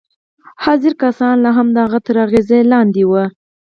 حاضر کسان لا هم د هغه تر اغېز لاندې وو